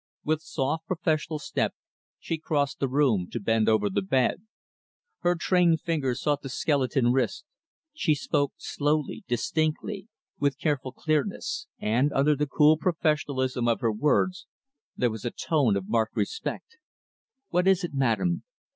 With soft, professional step, she crossed the room to bend over the bed. Her trained fingers sought the skeleton wrist; she spoke slowly, distinctly, with careful clearness; and, under the cool professionalism of her words, there was a tone of marked respect. "What is it, madam?"